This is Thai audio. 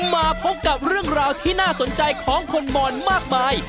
มาพบกับเรื่องราวที่น่าสนใจของคนมอนมากมาย